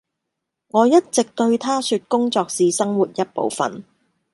我一直對她說工作是生活一部分